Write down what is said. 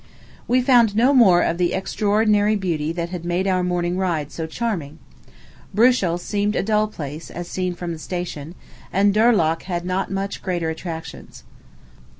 We found no more of the extraordinary beauty that had made our morning ride so charming. Bruchsal seemed a dull place, as seen from the station; and Durlach had not much greater attractions.